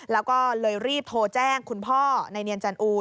แล้วก็เลยรีบโทรแจ้งคุณพ่อในเนียนจันอู